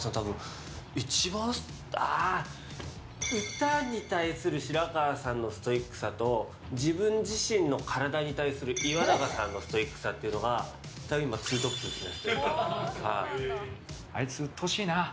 歌に対する白川さんのストイックさと自分自身の体に対する岩永さんのストイックさが今、ツートップですね。